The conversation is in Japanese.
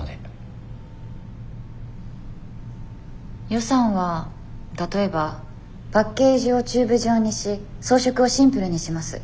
予算は例えばパッケージをチューブ状にし装飾をシンプルにします。